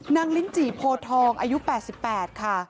ลิ้นจี่โพทองอายุ๘๘ค่ะ